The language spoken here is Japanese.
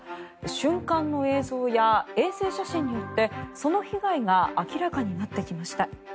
瞬間の映像や衛星写真によってその被害が明らかになってきました。